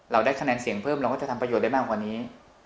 ได้คะแนนเสียงเพิ่มเราก็จะทำประโยชน์ได้มากกว่านี้